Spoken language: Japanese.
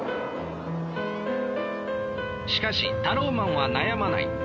しかしタローマンは悩まない。